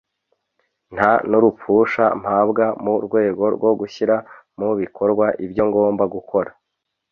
“Nta n’urupfusha mpabwa mu rwego rwo gushyira mu bikorwa ibyo ngomba gukora